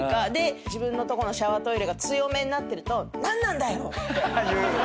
自分のとこのシャワートイレが強めになってると「何なんだよ！」